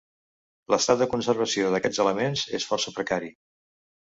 L'estat de conservació d'aquests elements és força precari.